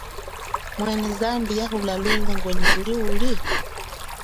Mwene zambi yahula lunga ngwenyi kuli uli?